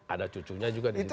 ada cucunya juga di indonesia